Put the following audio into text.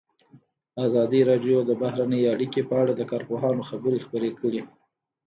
ازادي راډیو د بهرنۍ اړیکې په اړه د کارپوهانو خبرې خپرې کړي.